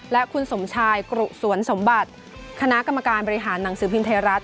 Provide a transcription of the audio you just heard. และคุณสมชายกรุสวนสมบัติคณะกรรมการบริหารหนังสือพิมพ์ไทยรัฐ